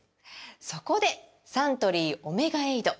そこでサントリー「オメガエイド」！